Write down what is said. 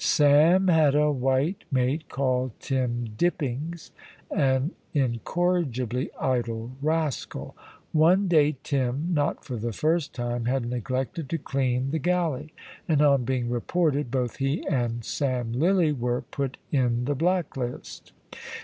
Sam had a white mate called Tim Dippings, an incorrigibly idle rascal. One day Tim not for the first time had neglected to clean the galley, and on being reported, both he and Sam Lilly were put in the black list.